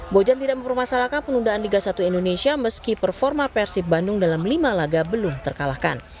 bojan tidak mempermasalahkan penundaan liga satu indonesia meski performa persib bandung dalam lima laga belum terkalahkan